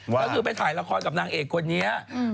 ก็คือไปถ่ายละครกับนางเอกคนนี้